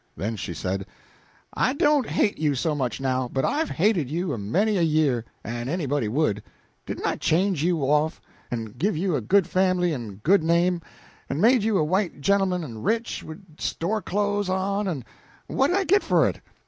Then she said "I don't hate you so much now, but I've hated you a many a year and anybody would. Didn't I change you off, en give you a good fambly en a good name, en made you a white gen'l'man en rich, wid store clothes on en what did I git for it?